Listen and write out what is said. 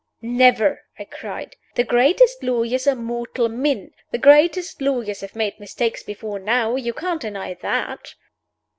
"Never!" I cried. "The greatest lawyers are mortal men; the greatest lawyers have made mistakes before now. You can't deny that."